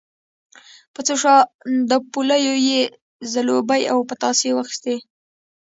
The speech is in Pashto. په څو شانداپولیو یې زلوبۍ او پتاسې واخیستې.